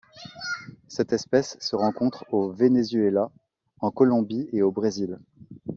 Cette espèce se rencontre au Venezuela, en Colombie et au Brésil.